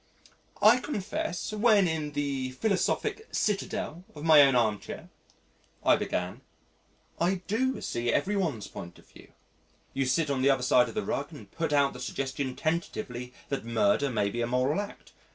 "I confess, when in the philosophic citadel of my own armchair," I began, "I do see every one's point of view. You sit on the other side of the rug and put out the suggestion tentatively that murder may be a moral act.